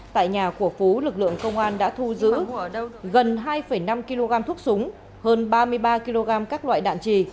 tại nhà của phú lực lượng công an đã thu giữ gần hai năm kg thuốc súng hơn ba mươi ba kg các loại đạn trì